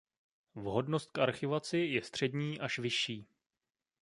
Vhodnost k archivaci je střední až vyšší.